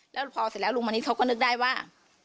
แล้วพอเสร็จแล้วลุงมณิชย์เขาก็นึกได้ว่า